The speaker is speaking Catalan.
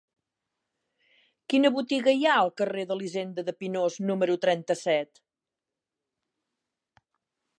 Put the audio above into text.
Quina botiga hi ha al carrer d'Elisenda de Pinós número trenta-set?